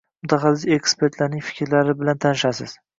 mutaxassis-ekspertlarning fikrlari bilan tanishasiz.